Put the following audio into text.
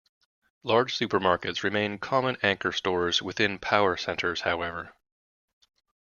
Large supermarkets remain common anchor stores within power centers however.